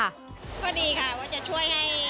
ก็ดีค่ะว่าจะช่วยให้